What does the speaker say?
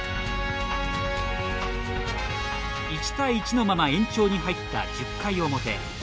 １対１のまま延長に入った１０回表。